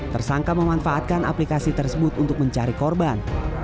tersangka memanfaatkan aplikasi tersebut untuk mencari korban